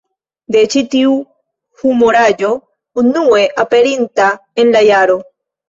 De ĉi tiu humoraĵo, unue aperinta en la jaro